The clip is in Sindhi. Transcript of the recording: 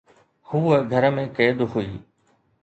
هوءَ گهر ۾ قيد هئي